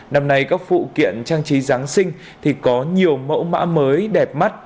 năm nay các phụ kiện trang trí giáng sinh thì có nhiều mẫu mã mới đẹp mắt